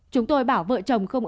chúng tôi bảo vợ chồng không ổn